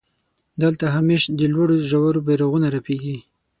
دلته همېش د لوړو ژورو بيرغونه رپېږي.